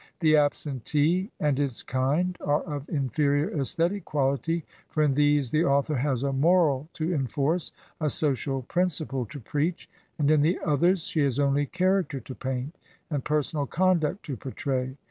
" The Absentee " and its kind are of inferior aesthetic quality, for in these the author has a moral to enforce, a social principle to preach ; and in the others she has only character to paint, and personal conduct to portray.